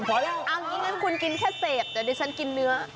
เอางี้งั้นคุณกินแค่เศษเดี๋ยวดิฉันกินเนื้อ